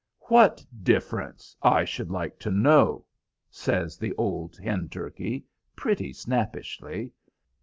"What difference, I should like to know?" says the old hen turkey, pretty snappishly.